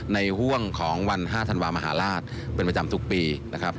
ห่วงของวัน๕ธันวามหาราชเป็นประจำทุกปีนะครับ